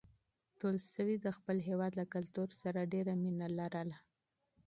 تولستوی د خپل هېواد له کلتور سره ډېره مینه لرله.